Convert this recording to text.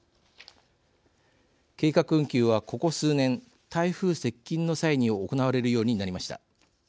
計画運休は、ここ数年台風接近の際に行われるようになりました。